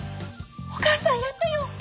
お母さんやったよ！